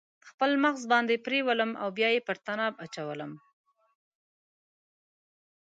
خپل مغز باندې پریولم او بیا یې پر تناو اچوم